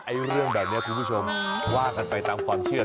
เรื่องแบบนี้คุณผู้ชมว่ากันไปตามความเชื่อ